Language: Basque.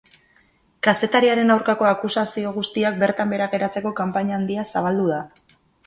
Kazetariaren aurkako akusazio guztiak bertan behera geratzeko kanpaina handia zabaldu da komunikabideetan.